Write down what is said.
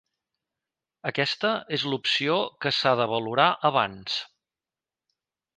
Aquesta és l'opció que s'ha de valorar abans.